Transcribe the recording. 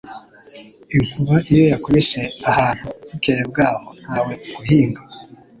Inkuba iyo yakubise ahantu, bukeye bw’aho ntawe uhinga,